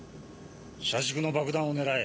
車軸の爆弾を狙え。